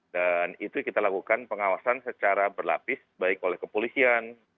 dan itu kita lakukan pengawasan secara berlapis baik oleh kepolisian